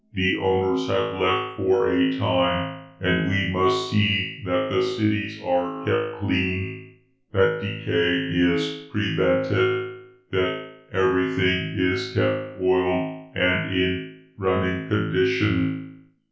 The owners have left for a time, and we must see that the cities are kept clean, that decay is prevented, that everything is kept oiled and in running condition.